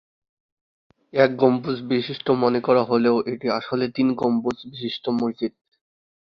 এক গম্বুজ বিশিষ্ট মনে করা হলেও এটি আসলে তিন গম্বুজ বিশিষ্ট মসজিদ।